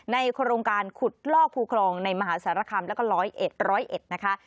โครงการขุดลอกภูคลองในมหาสารคำแล้วก็ร้อยเอ็ดร้อยเอ็ดนะคะ